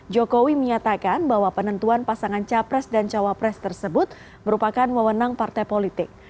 jokowi menyatakan bahwa penentuan pasangan capres dan cawapres tersebut merupakan wewenang partai politik